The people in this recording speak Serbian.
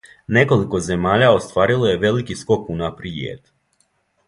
Неколико земаља остварило је велики скок унапријед.